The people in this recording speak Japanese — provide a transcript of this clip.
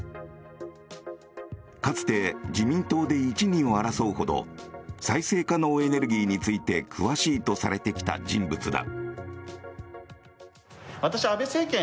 かつて自民党で１、２を争うほど再生可能エネルギーについて詳しいとされてきた人物だ。